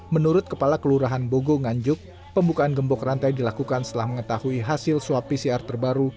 menurut kepala kelurahan bogo nganjuk pembukaan gembok rantai dilakukan setelah mengetahui hasil swab pcr terbaru